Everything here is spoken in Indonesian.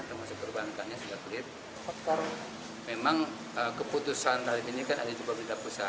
termasuk perubahannya sudah klip memang keputusan tarif ini kan ada di pemerintah pusat